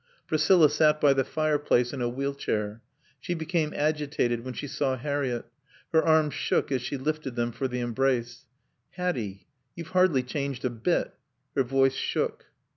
Priscilla sat by the fireplace in a wheel chair. She became agitated when she saw Harriett; her arms shook as she lifted them for the embrace. "Hatty you've hardly changed a bit." Her voice shook.